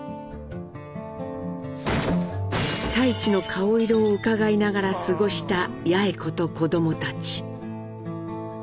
太市の顔色をうかがいながら過ごした八重子と子どもたち。